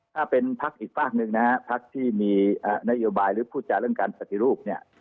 ถ้าเป็นพักอีกฝากหนึ่งนะฮะพักที่มีนโยบายหรือพูดจาเรื่องการปฏิรูปเนี่ย